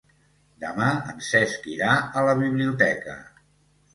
Demà en Cesc irà a la biblioteca.